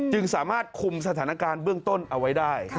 จึงสามารถคุมสถานการณ์เบื้องต้นเอาไว้ได้